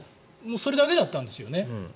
それだけだったんですよね。